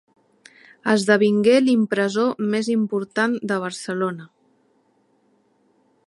Esdevingué l’impressor més important de Barcelona.